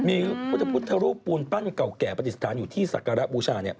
มีพุทธพุทธรูปปูนปั้นเก่าแก่ปฏิสถานอยู่ที่ศักระบูชา